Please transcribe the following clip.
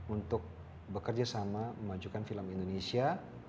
untuk bekerja sama memajukan film indonesia